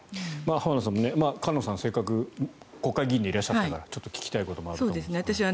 浜田さん菅野さんはせっかく国会議員でいらっしゃったからちょっと聞きたいこともあると思うんですが。